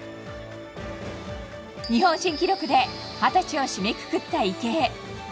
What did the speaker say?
日本新記録で二十歳を締めくくった池江。